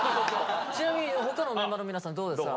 ちなみに他のメンバーの皆さんどうですか？